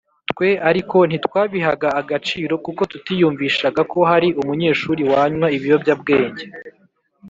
twe ariko ntitwabihaga agaciro kuko tutiyumvishaga ko hari umunyeshuri wanywa ibiyobyab wenge